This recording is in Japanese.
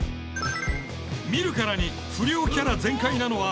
見るからに不良キャラ全開なのは片居誠。